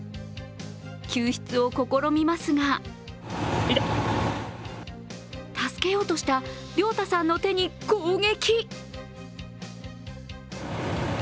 救出を試みますが助けようとした、りょうたさんの手に攻撃。